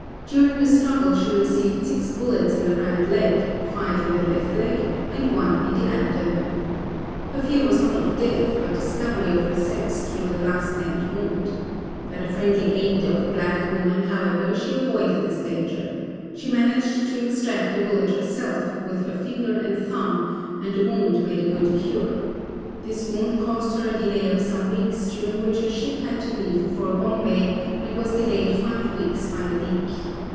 During the struggle she received six bullets in the right leg, five in the left leg, and one in the abdomen. Her fear was not of death but discovery of her sex through the last named wound. By the friendly aid of a black woman, however, she avoided this danger. She managed to extract the bullet herself, with her finger and thumb, and the wound made a good cure. This wound caused her a delay of some weeks during which her ship had to leave for Bombay and was delayed five weeks by a leak.